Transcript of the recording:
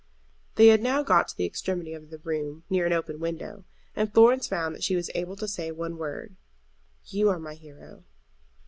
They had now got to the extremity of the room near an open window, and Florence found that she was able to say one word. "You are my hero."